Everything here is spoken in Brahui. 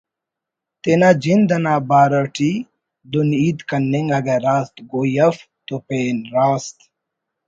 تینا جند انا بارو اٹی دن ہیت کننگ اگہ راست گوئی اف تو پین راست